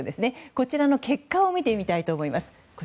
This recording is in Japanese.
こちらの結果を見てみたいと思います。